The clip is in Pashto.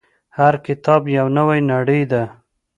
• هر کتاب یو نوی نړۍ ده.